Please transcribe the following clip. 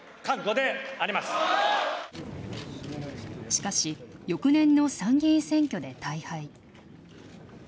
しかし翌年の参議院選挙で大敗。